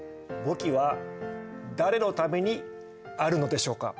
簿記は誰のためにあるのでしょうか？